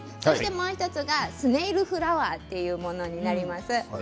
もう１つがスネールフラワーというものになります。